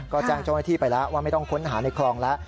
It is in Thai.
ก็แจ้งเจ้าหน้าที่ไปแล้วว่าไม่ต้องค้นหาในคลองแล้ว